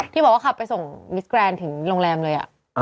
ที่บอกว่าขับไปส่งมิสแกรนด์ถึงโรงแรมเลย